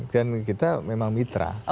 dan kita memang mitra